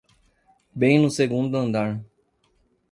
Bem no segundo andar.